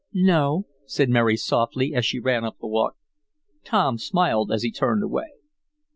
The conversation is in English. "No," said Mary softly, as she ran up the walk. Tom smiled as he turned away.